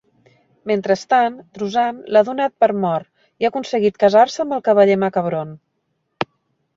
Mentrestant, Druzane l'ha donat per mort i ha consentit casar-se amb el cavaller Macabron.